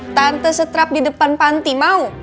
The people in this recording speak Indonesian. tante setrap di depan panti mau